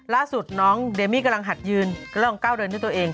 ล่าสุดน้องเดมี่กำลังหัดยืนกำลังก้าวเดินด้วยตัวเอง